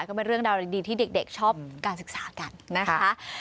ก็เป็นเรื่องราวดีที่เด็กชอบการศึกษากันนะคะ